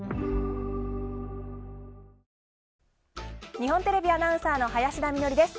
日本テレビアナウンサーの林田美学です。